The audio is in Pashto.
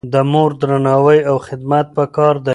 د مور درناوی او خدمت پکار دی.